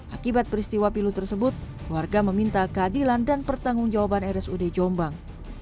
akibat peristiwa pilu tersebut warga meminta keadilan dan pertanggungjawaban resude jombang